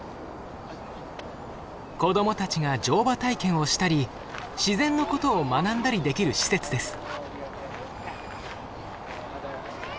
子どもたちが乗馬体験をしたり自然のことを学んだりできる施設です。